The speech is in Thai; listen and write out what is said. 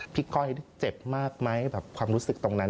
ก้อยเจ็บมากไหมแบบความรู้สึกตรงนั้น